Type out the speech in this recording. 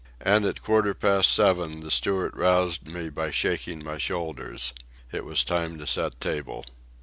And at quarter past seven the steward roused me by shaking my shoulders. It was time to set table.